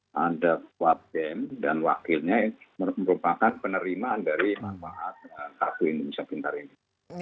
dan jadi bukan hanya wisata kip tapi juga untuk semua penduduk dan wakilnya merupakan penerimaan dari manfaat kartu indonesia pintar ini